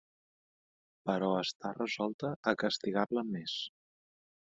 Però està resolta a castigar-la més.